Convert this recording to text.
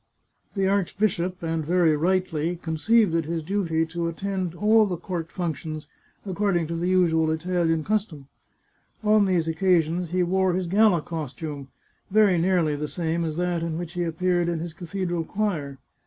The archbishop, and 490 The Chartreuse of Parma very rightly, conceived it his duty to attend all the court functions, according to the usual Italian custom. On these occasions he wore his gala costume, very nearly the same as that in which he appeared in his cathedral choir.